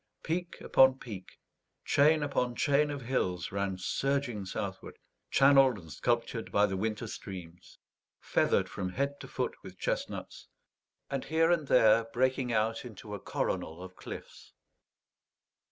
Peak upon peak, chain upon chain of hills ran surging southward, channeled and sculptured by the winter streams, feathered from head to foot with chestnuts, and here and there breaking out into a coronal of cliffs.